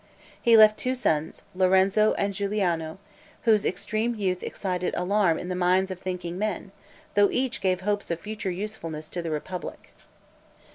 He left two sons, Lorenzo and Guiliano, whose extreme youth excited alarm in the minds of thinking men, though each gave hopes of future usefulness to the republic.